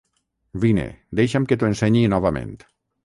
Vine, deixa'm que t'ho ensenyi novament.